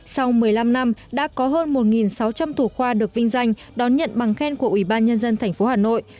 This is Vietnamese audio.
sau một mươi năm năm đã có hơn một sáu trăm linh thủ khoa được vinh danh đón nhận bằng khen của ủy ban nhân dân tp hà nội